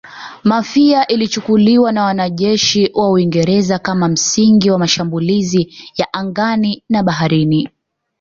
Mafia ilichukuliwa na wanajeshi wa Uingereza kama msingi wa mashambulizi ya angani na baharini